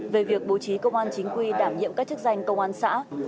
về việc bố trí công an chính quy đảm nhiệm các chức danh công an xã